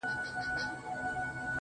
هو په همزولو کي له ټولو څخه پاس يمه.